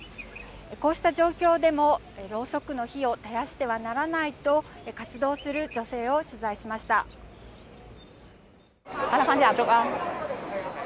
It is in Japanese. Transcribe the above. こうした状況でもろうそくの火を絶やしてはならないと、活動する女性を取材しました。